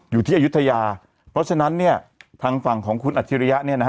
อยู่ที่อายุทยาเพราะฉะนั้นเนี่ยทางฝั่งของคุณอัจฉริยะเนี่ยนะฮะ